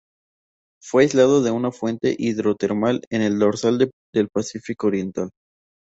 Fue aislado de una fuente hidrotermal en el Dorsal del Pacífico Oriental.